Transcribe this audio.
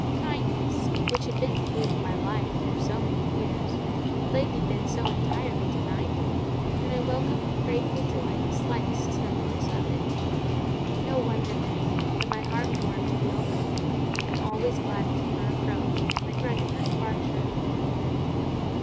Kindness, which had been the food of my life through so many years, had lately been so entirely denied me, that I welcomed with grateful joy the slightest semblance of it. No wonder, then, that my heart warmed to the old lady, and always gladdened at her approach and regretted her departure.